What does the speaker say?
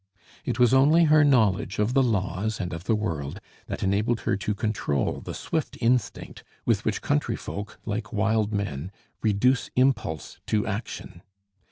It was only her knowledge of the laws and of the world that enabled her to control the swift instinct with which country folk, like wild men, reduce impulse to action.